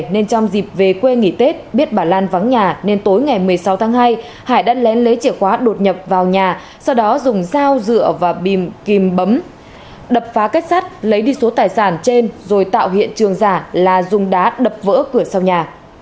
nên trong dịp về quê nghỉ tết biết bà lan vắng nhà nên tối ngày một mươi sáu tháng hai hải đã lén lấy chìa khóa đột nhập vào nhà sau đó dùng dao dựa và bìm kìm bấm đập phá kết sắt lấy đi số tài sản trên rồi tạo hiện trường giả là dùng đá đập vỡ cửa sau nhà